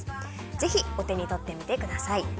ぜひ、お手に取ってみてください。